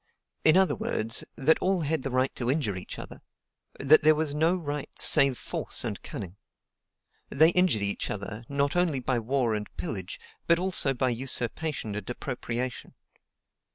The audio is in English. In other words, that all had the right to injure each other; that there was no right save force and cunning. They injured each other, not only by war and pillage, but also by usurpation and appropriation.